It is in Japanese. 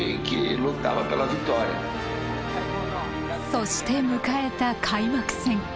そして迎えた開幕戦。